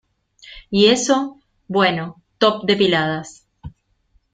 ¿ y eso? bueno, top depiladas.